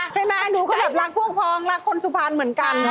ใช่ไหมหนูก็แบบรักพวกพองรักคนสุพรรณเหมือนกัน